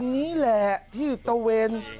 นี่แหละที่ตะเวน